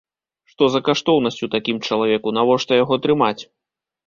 Што за каштоўнасць у такім чалавеку, навошта яго трымаць?